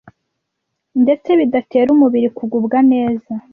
ndetse bidatera umubiri kugubwa neza